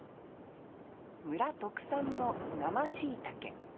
村特産の生しいたけ。